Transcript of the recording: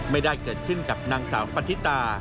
ไม่ได้เกิดขึ้นกับนางสาวปฏิตา